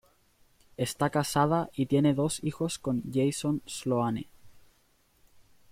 Está casada y tiene dos hijos con Jason Sloane.